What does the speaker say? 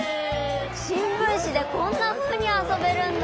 しんぶんしでこんなふうにあそべるんだ！